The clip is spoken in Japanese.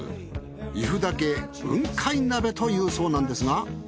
由布岳雲海鍋というそうなんですが。